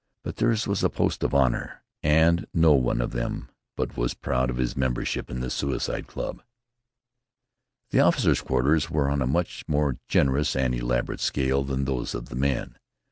But theirs was a post of honor, and no one of them but was proud of his membership in the Suicide Club. The officers' quarters were on a much more generous and elaborate scale than those of the men.